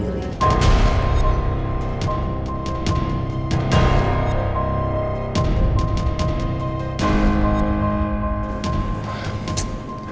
gak apa apa gue pengen